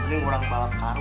mending orang balap karu